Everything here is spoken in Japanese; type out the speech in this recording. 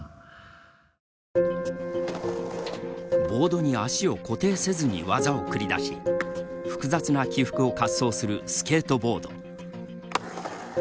ボードに足を固定せずに技を繰り出し複雑な起伏を滑走するスケートボード。